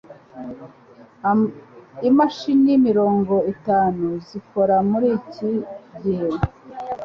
Imashini mirongo itanu zikora muri iki gihe.